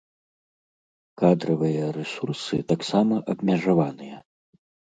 Кадравыя рэсурсы таксама абмежаваныя.